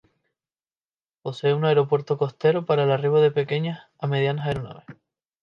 Posee un aeropuerto costero para el arribo de pequeñas a medianas aeronaves.